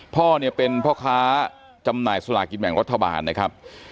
พ่อเนี่ยเป็นพ่อค้าจำหน่ายสลากินแบ่งรัฐบาลนะครับ